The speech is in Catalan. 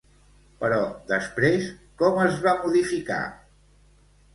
Però després com es va modificar?